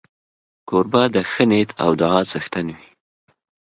کوربه د ښې نیت او دعا څښتن وي.